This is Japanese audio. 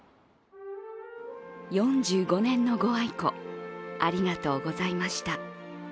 ４５年のご愛顧、ありがとうございました。